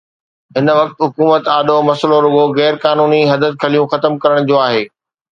هن وقت حڪومت آڏو مسئلو رڳو غير قانوني حددخليون ختم ڪرڻ جو آهي.